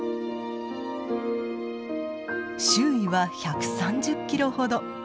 周囲は１３０キロほど。